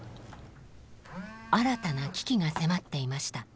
新たな危機が迫っていました